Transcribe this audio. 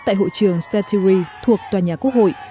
tại hội trường statery thuộc tòa nhà quốc hội